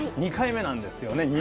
２回目なんですよね